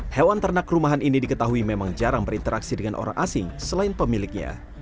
hewan ternak rumahan ini diketahui memang jarang berinteraksi dengan orang asing selain pemiliknya